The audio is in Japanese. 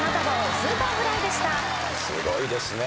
すごいですね。